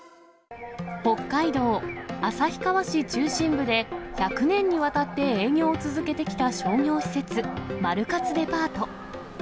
北海道旭川市中心部で１００年にわたって営業を続けてきた商業施設、マルカツデパート。